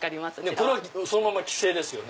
これはそのまま「規制」ですよね。